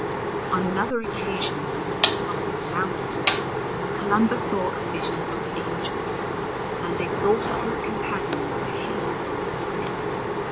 On another occasion when they were crossing the mountains, Columba saw a vision of angels, and exhorted his companions to hasten on their way.